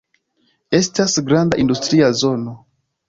Estas granda industria zono.